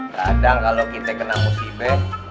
kadang kalau kita kena musibah